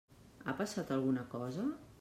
Ha passat alguna cosa?